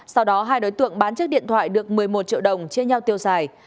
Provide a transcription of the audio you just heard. sau đó hai đối tượng bán chiếc điện thoại được một mươi một triệu đồng chia nhau tiêu xài